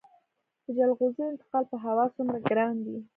د جلغوزیو انتقال په هوا څومره ګران دی؟